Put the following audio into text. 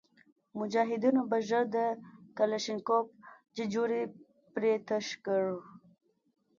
مجاهدینو به ژر د کلشینکوف ججوري پرې تش کړ.